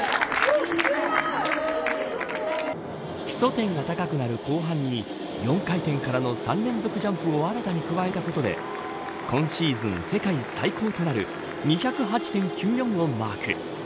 基礎点が高くなる後半に４回転からの３連続ジャンプを新たに加えたことで今シーズン世界最高となる２０８．９４をマーク。